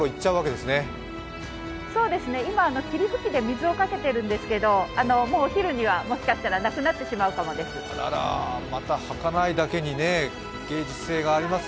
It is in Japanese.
今、霧吹きで水をかけてるんですけどもうお昼にはもしかしたら、なくなってしまうかもしれないです。